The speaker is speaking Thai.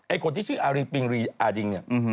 คนที่ชื่ออารีปิงอาดิงเนี่ย